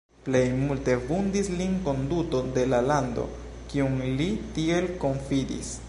Plej multe vundis lin konduto de la lando, kiun li tiel konfidis.